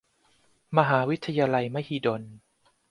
มหาวิทยาลัยมหิดล